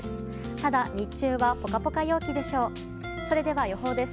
ただ、日中はポカポカ陽気です。